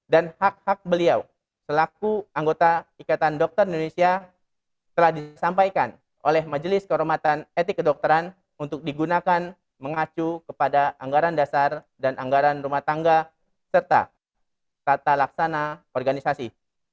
dan hak hak beliau selaku anggota ikatan dokter indonesia telah disampaikan oleh majelis kehormatan etik kedokteran untuk digunakan mengacu kepada anggaran dasar dan anggaran rumah tangga serta tata laksana organisasi